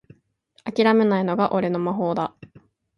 あきらめないのが俺の魔法だ